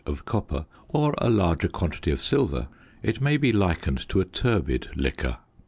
of copper, or a larger quantity of silver, it may be likened to a turbid liquor.